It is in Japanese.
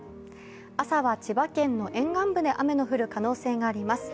朝は千葉県の沿岸部で雨の降る可能性があります。